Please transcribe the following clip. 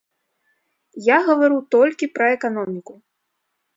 Я гавару толькі пра эканоміку.